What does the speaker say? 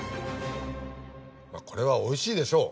これはおいしいでしょう。